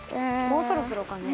もうそろそろかね？